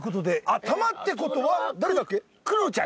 球ってことは誰だっけ？